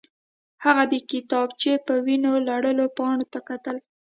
هغه د کتابچې په وینو لړلو پاڼو ته کتل